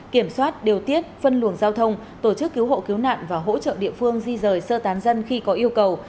kiểm soát điều tiết phân luồng giao thông tổ chức cứu hộ cứu nạn và hỗ trợ địa phương di rời sơ tán dân khi có yêu cầu